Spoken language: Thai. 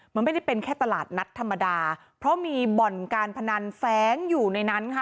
มันไม่ได้เป็นแค่ตลาดนัดธรรมดาเพราะมีบ่อนการพนันแฟ้งอยู่ในนั้นค่ะ